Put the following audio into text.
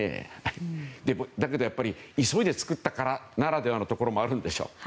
だけど、急いで作ったならではのところもあるでしょう。